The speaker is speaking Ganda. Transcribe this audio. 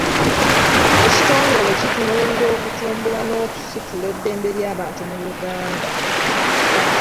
Ekitongole kitunuulira okutumbula n'okusitula eddembe ly'obantu mu Uganda.